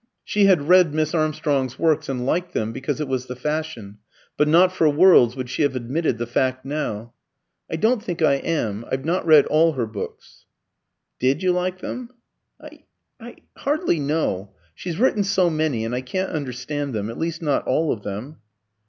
She had read Miss Armstrong's works, and liked them, because it was the fashion; but not for worlds would she have admitted the fact now. "I don't think I am. I've not read all her books." "Did you like them?" "I I hardly know. She's written so many, and I can't understand them at least not all of them."